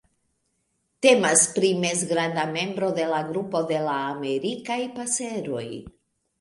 Temas pri mezgranda membro de la grupo de la Amerikaj paseroj.